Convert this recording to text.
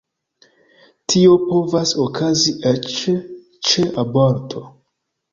Tio povas okazi eĉ ĉe aborto.